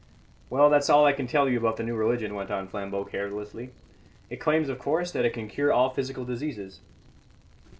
"Well, that's all I can tell you about the new religion," went on Flambeau carelessly. "It claims, of course, that it can cure all physical diseases."